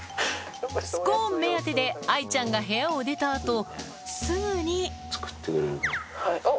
スコーン目当てで愛ちゃんが部屋を出た後すぐにあっ。